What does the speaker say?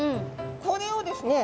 これをですね